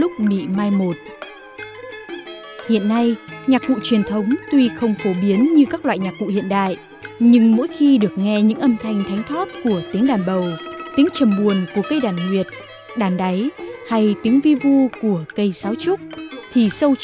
thì âm nhạc của chúng ta đồng hành